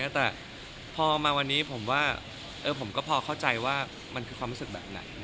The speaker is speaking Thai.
แต่พอมาวันนี้ผมว่าผมก็พอเข้าใจว่ามันคือความรู้สึกแบบไหน